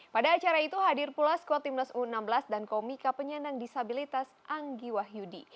pada acara itu hadir pula squad timnas u enam belas dan komika penyandang disabilitas anggi wahyudi